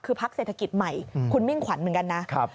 คือพักเศรษฐกิจใหม่คุณมิ่งขวัญเหมือนกันนะ